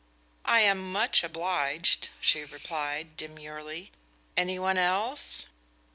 "I am much obliged," she replied, demurely. "Any one else?"